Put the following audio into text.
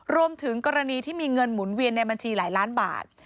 รวมถึงกรณีที่มีเงินหมุนเวียนในบัญชีหลายล้านบาท